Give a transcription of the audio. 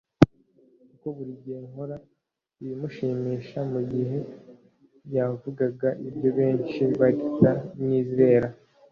kuko buri gihe nkora ibimushimisha Mu gihe yavugaga ibyo benshi baramwizera